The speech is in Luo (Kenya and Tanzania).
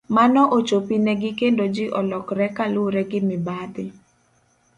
Mano ochopi ne gi kendo ji olokre ka luwre gi mibadhi.